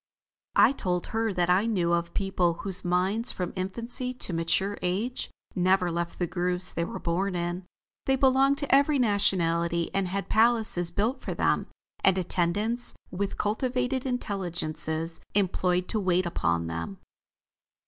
I told her that I knew of a people whose minds from infancy to mature age, never left the grooves they were born in. They belonged to every nationality, and had palaces built for them, and attendants with cultivated intelligences employed to wait upon them.